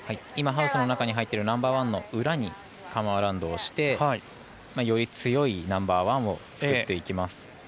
今ハウスの中に入っているナンバーワンの裏にカムアラウンドをしてより強いナンバーワンを作っていきます。